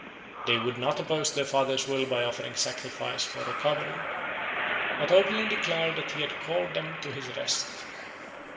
They would not oppose their father's will by offering sacrifice for recovery, but openly declared that he had called them to his rest.